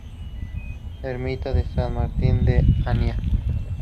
Ermita de San Martín de Ania.